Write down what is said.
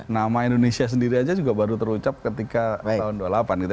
nama indonesia sendiri aja juga baru terucap ketika tahun dua puluh delapan gitu